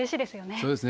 そうですね。